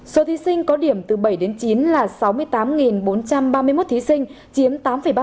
số thí sinh có điểm từ bảy đến chín là sáu mươi tám bốn trăm ba mươi một thí sinh chiếm tám ba